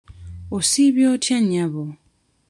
Osiibye otya nnyabo?